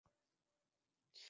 ঠিক সামনে পুলিসের থানা।